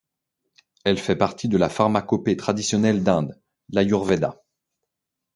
Elle fait partie de la pharmacopée traditionnelle d'Inde, l'Ayurveda.